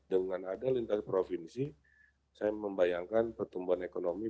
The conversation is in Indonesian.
dengan ada lintas provinsi saya membayangkan pertumbuhan ekonomi